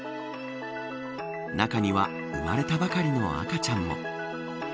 中には生まれたばかりの赤ちゃんも。